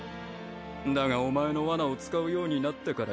だがお前のワナを使うようになってから